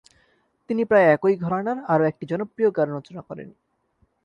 তিনি প্রায় একই ঘরানার আরো একটি জনপ্রিয় গান রচনা করেন -